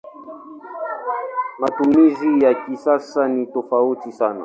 Matumizi ya kisasa ni tofauti sana.